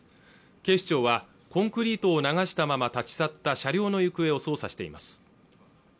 警視庁はコンクリートを流したまま立ち去った車両の行方を捜査しています